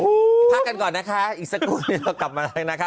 พักกันก่อนนะคะอีกสักครู่เดี๋ยวเรากลับมาเลยนะคะ